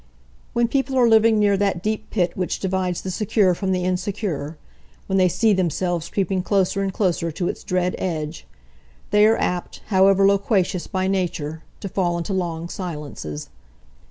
When people are living near that deep pit which divides the secure from the insecure—when they see themselves creeping closer and closer to its dread edge—they are apt, however loquacious by nature, to fall into long silences.